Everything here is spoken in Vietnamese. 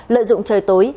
lợi dụng trời tối